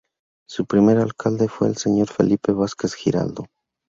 Su primer Alcalde fue el Señor Felipe Vásquez Giraldo.